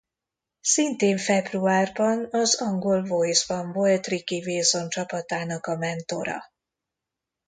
Szintén februárban az angol Voice-ban volt Ricky Wilson csapatának a mentora.